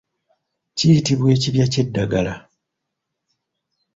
Kiyitibwa ekibya ky'eddagala.